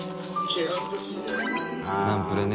◆舛叩ナンプレね。